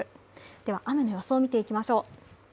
では雨の予想を見ていきましょう。